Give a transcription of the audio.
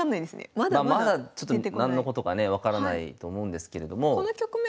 まあまだ何のことかね分からないと思うんですけれども。